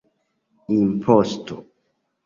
imposto